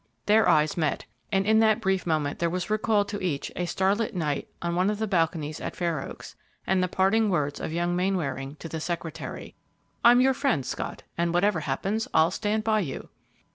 Their eyes met, and in that brief moment there was recalled to each a starlit night on one of the balconies at Fair Oaks, and the parting words of young Mainwaring to the secretary, "I'm your friend, Scott, and whatever happens, I'll stand by you."